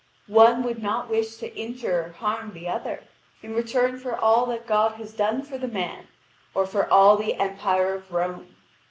One would not wish to injure or harm the other, in return for all that God has done for man, or for all the empire of Rome.